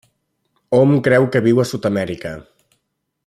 Hom creu que viu a Sud-amèrica.